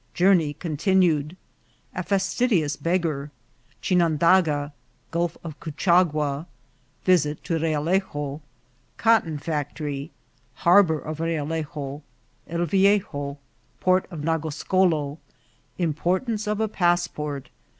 — Journey continued. — A fastidious Beggar.— Chinandaga.— Gulf of Couchagua.— Visit to Realejo.— Cotton Factory. — Harbour of Realejo. — El Viejo. — Port of Nagoscolo. — Im portance of a Passport.